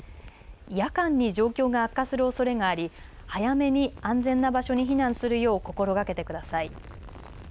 夜間に状況が悪化するおそれがあり早めに安全な場所に避難するよう心がけてください。